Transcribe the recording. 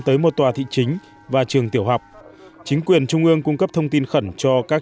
tới một tòa thị chính và trường tiểu học chính quyền trung ương cung cấp thông tin khẩn cho các